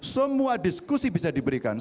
semua diskusi bisa diberikan